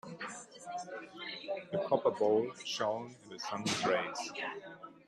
The copper bowl shone in the sun's rays.